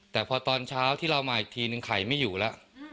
แต่พอตอนเช้าที่เรามาอีกทีนึงไข่ไม่อยู่แล้ว